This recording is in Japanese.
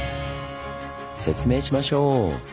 説明しましょう！